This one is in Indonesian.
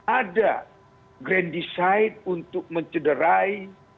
ada grandiside untuk mencederai